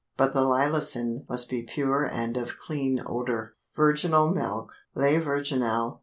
But the lilacin must be pure and of clean odor. VIRGINAL MILK (LAIT VIRGINAL).